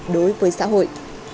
đối với xã hội